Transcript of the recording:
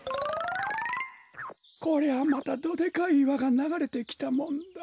こりゃまたどでかいいわがながれてきたもんだ。